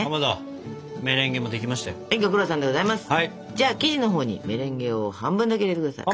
じゃあ生地のほうにメレンゲを半分だけ入れて下さい。